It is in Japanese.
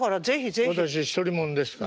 私独り者ですから。